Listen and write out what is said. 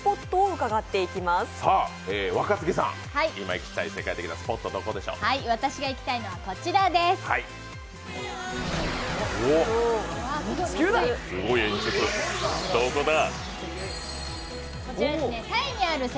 私が行きたいのはこちらです。